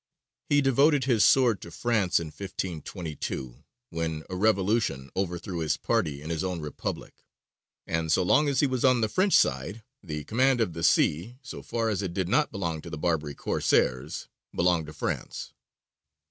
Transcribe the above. He devoted his sword to France in 1522, when a revolution overthrew his party in his own republic; and so long as he was on the French side the command of the sea, so far as it did not belong to the Barbary Corsairs, belonged to France.